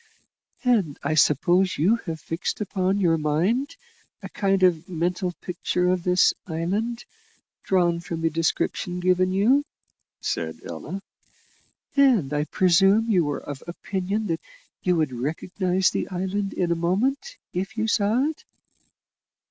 "And I suppose you have fixed upon your mind a kind of mental picture of this island, drawn from the description given you," said Ella; "and I presume you are of opinion that you would recognise the island in a moment, if you saw it?"